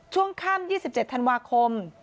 ช่วงค่ำ๒๗ธันวาคม